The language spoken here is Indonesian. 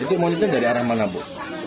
itu monyetnya dari arah mana bu